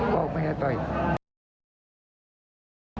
บอกแม่ให้ไป